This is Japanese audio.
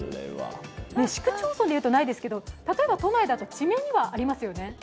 市区町村でいうとないですけど例えば都内だと、地名にはありますよね。